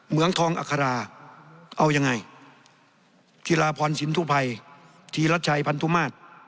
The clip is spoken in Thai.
เมืองทองอัคราเอายังไงจิราพรสินทุภัยธีรัชชัยพันธุมาตร